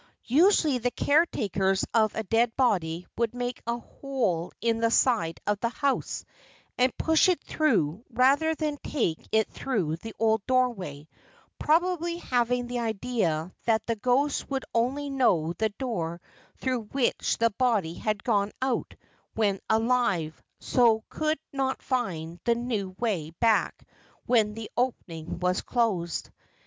Usually the caretakers of a dead body would make a hole in the side of the house and push it through rather than take it through the old doorway, probably having the idea that the ghost would only know the door through which the body had gone out when alive and so could not find the new way back when the opening was closed.